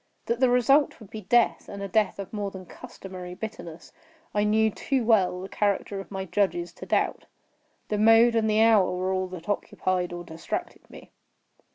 That the result would be death, and a death of more than customary bitterness, I knew too well the character of my judges to doubt. The mode and the hour were all that occupied or distracted me.